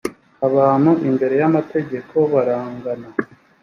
abantu imbere yamategeko barangana.